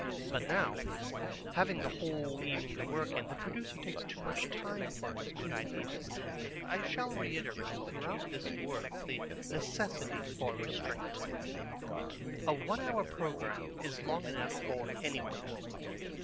But now, having the whole evening to work in, the producer takes too much time for his good ideas. I shall reiterate throughout this work the necessity for restraint. A one hour programme is long enough for any one.